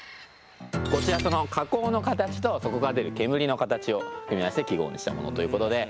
こちらその火口の形とそこから出る煙の形を組み合わせて記号にしたものということで。